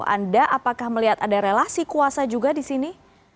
anda apakah melihat ada relasi kuasa juga di sini